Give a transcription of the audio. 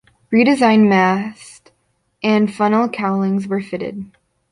Redesigned masts and funnel cowlings were fitted.